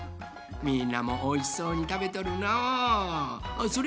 みんなもおいしそうにたべとるのう。